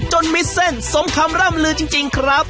มิดเส้นสมคำร่ำลือจริงครับ